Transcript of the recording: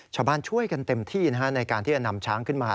ชาวบ้านช่วยกันเต็มที่ในการที่จะนำช้างขึ้นมา